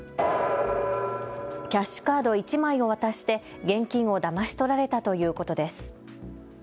キャッシュカード１枚を渡して現金をだまし取られたということです。